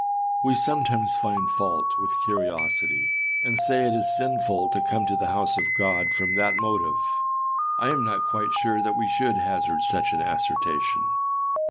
We sometimes find fault with curiosity, and say it is sinful to come to the house of God from that motive; I am not quite sure that we should hazard such an assertion.